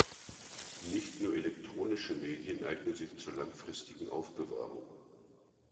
Nicht nur elektronische Medien eignen sich zur langfristigen Aufbewahrung.